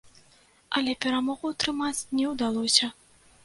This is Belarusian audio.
Але перамогу ўтрымаць не ўдалося.